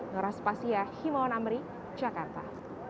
noras pasya himawan amri jakarta